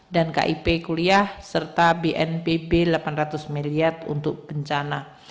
dan kip kuliah serta bnpb rp delapan ratus miliar untuk bencana